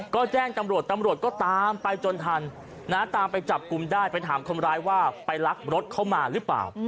ก็แจ้งตำรวจตำรวจก็ตามไปจนทันตามไปจับกลุ่มได้ไปถามคนร้ายว่าไปลักรถเขามาหรือเปล่า